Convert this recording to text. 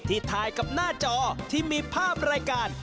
ถ่ายกับหน้าจอที่มีภาพรายการ